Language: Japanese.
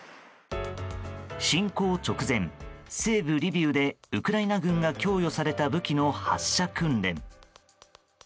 侵攻直前、西部リビウでウクライナ軍が供与された武器の発射訓練。